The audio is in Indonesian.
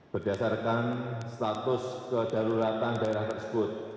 berdasarkan status kedaruratan daerah tersebut